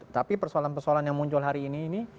tapi persoalan persoalan yang muncul hari ini ini